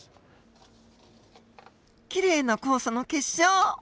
きれいな酵素の結晶！